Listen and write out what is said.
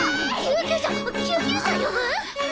救急車呼ぶ！？